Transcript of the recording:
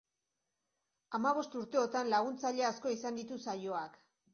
Hamabost urteotan, laguntzaile asko izan ditu saioak.